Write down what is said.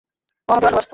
ও আমাকে ভালবাসত।